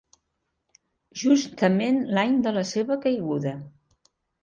Justament l'any de la seva caiguda.